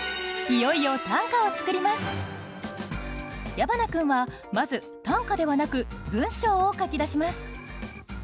矢花君はまず短歌ではなく文章を書き出します